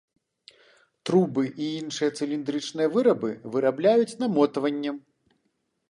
Трубы і іншыя цыліндрычныя вырабы вырабляюць намотваннем.